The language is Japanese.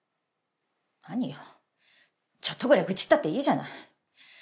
何よちょっとぐらい愚痴ったっていいじゃない。